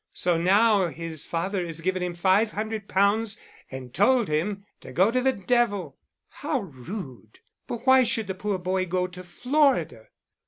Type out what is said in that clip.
So now his father has given him five hundred pounds and told him to go to the devil." "How rude! But why should the poor boy go to Florida?"